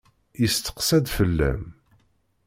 Yesteqsa-d fell-am.